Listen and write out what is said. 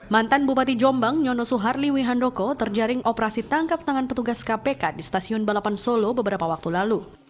mantan bupati jombang nyono suharli wihandoko terjaring operasi tangkap tangan petugas kpk di stasiun balapan solo beberapa waktu lalu